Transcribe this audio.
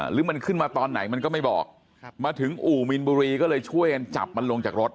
หรือมันขึ้นมาตอนไหนมันก็ไม่บอกมาถึงอู่มีนบุรีก็เลยช่วยกันจับมันลงจากรถ